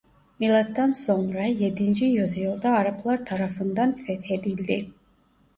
Milattan sonra yedinci yüzyılda Araplar tarafından fethedildi.